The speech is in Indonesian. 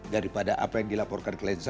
daripada apa yang dilaporkan kelejahan kcn ini